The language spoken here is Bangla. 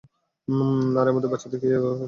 আরে আমাদের বাচ্চাদের দেখ কি সুন্দর লাগছে।